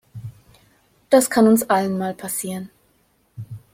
Das kann uns allen mal passieren.